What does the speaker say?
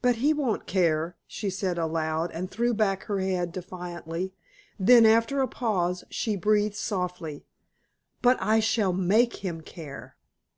"But he won't care," she said aloud, and threw back her head defiantly: then after a pause, she breathed softly, "But I shall make him care."